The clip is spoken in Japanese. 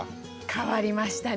変わりましたね。